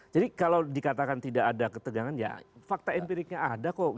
jadi kalau dikatakan tidak ada ketegangan ya fakta empiriknya ada kok